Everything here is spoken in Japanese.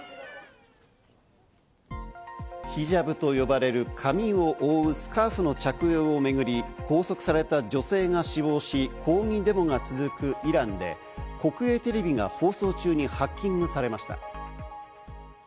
ヒジャブと呼ばれる、髪を覆うスカーフの着用をめぐり、拘束された女性が死亡し、抗議デモが続くイランで、国営テレビが放送中にハッキングされました。